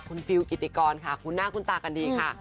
คุณฟิลกิติกรค่ะคุ้นหน้าคุ้นตากันดีค่ะ